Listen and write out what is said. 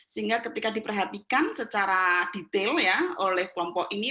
sehingga ketika diperhatikan secara detail ya oleh kelompok ini